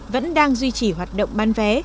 vẫn đang duy trì hoạt động ban vé